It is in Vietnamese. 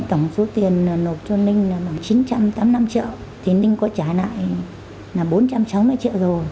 tổng số tiền nộp cho ninh là khoảng chín trăm tám mươi năm triệu thì ninh có trả lại là bốn trăm sáu mươi triệu rồi